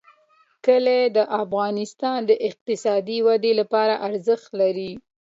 کلي د افغانستان د اقتصادي ودې لپاره ارزښت لري.